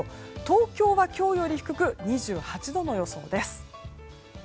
東京は今日より低く２８度の予想です。